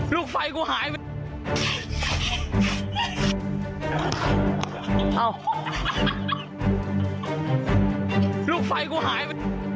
ลูกไฟกูหายมัน